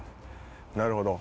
なるほど。